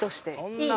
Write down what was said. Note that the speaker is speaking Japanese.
いい？